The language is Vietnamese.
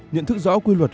nhận thức rõ quy luật